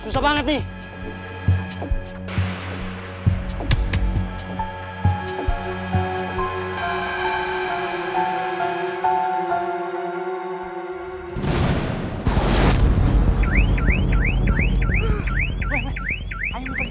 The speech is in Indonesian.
susah banget nih